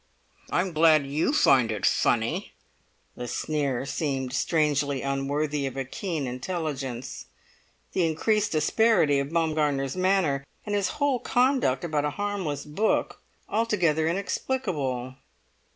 "I'm glad you find it funny!" The sneer seemed strangely unworthy of a keen intelligence; the increased asperity of Baumgartner's manner, and his whole conduct about a harmless book, altogether inexplicable.